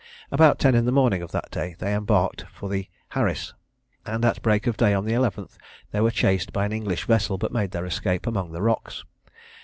About ten in the morning of that day they embarked for the Harris, and at break of day on the 11th they were chased by an English vessel, but made their escape among the rocks.